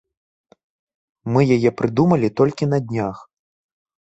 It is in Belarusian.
Мы яе прыдумалі толькі на днях.